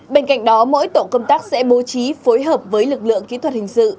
bên cạnh đó mỗi tổ công tác sẽ bố trí phối hợp với lực lượng kỹ thuật hình sự